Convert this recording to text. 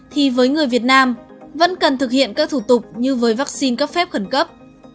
thì với người việt nam vẫn cần thực hiện các thủ tục như với vaccine cấp phép khẩn cấp